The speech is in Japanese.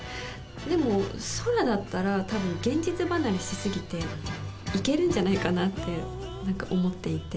でも、空だったら、たぶん、現実離れしすぎて、いけるんじゃないかなっていう、なんか思っていて。